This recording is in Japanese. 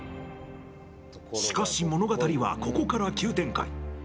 しかし、物語はここから急展開。